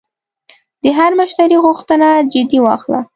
د هر مشتری غوښتنه جدي واخله.